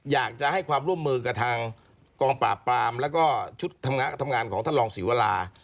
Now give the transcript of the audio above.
อยากจะให้ความร่วมมือกับทางกองปราบปรามแล้วก็ชุดทำงานของท่านรองศรีวรา